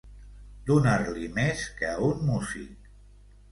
Donar-li més que a un músic.